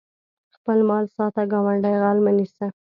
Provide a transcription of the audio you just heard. خپل مال ساته ګاونډي غل مه نیسه